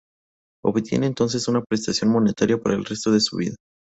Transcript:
Obtiene entonces una prestación monetaria para el resto de su vida.